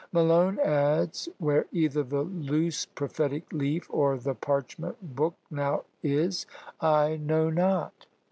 Malone adds, "Where either the loose prophetic leaf or the parchment book now is, I know not."